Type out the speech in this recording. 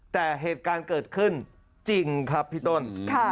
แต่เหตุการณ์เกิดขึ้นจริงครับพี่ต้น